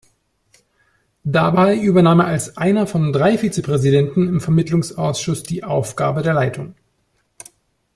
Dabei übernahm er als einer von drei Vizepräsidenten im Vermittlungsausschuss die Aufgabe der Leitung.